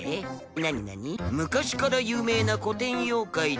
何なに昔から有名な古典妖怪で。